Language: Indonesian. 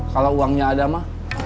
kalo uangnya ada mah